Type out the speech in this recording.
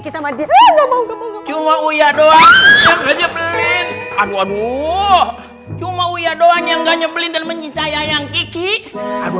sama dia cuma uya doang aja aduh cuma uya doang yang gak nyebelin dan mencintai ayam kiki aduh